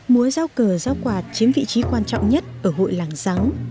múa giáo cờ giáo quạt chiếm vị trí quan trọng nhất ở hội làng rắn